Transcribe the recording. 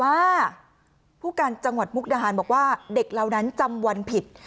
ว่าผู้การจังหวัดมุกดาหารบอกว่าเด็กเหล่านั้นจำวันผิด